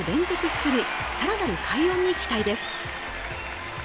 出塁更なる快音に期待です